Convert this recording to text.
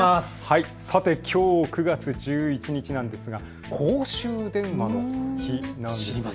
さて、きょう９月１１日なんですが公衆電話の日なんです。